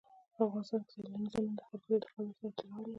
په افغانستان کې سیلانی ځایونه د خلکو د اعتقاداتو سره تړاو لري.